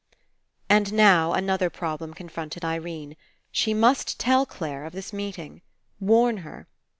And now another problem confronted Irene. She must tell Clare of this meeting. Warn her.